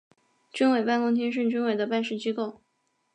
军委办公厅是军委的办事机构。